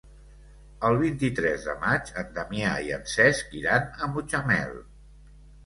El vint-i-tres de maig en Damià i en Cesc iran a Mutxamel.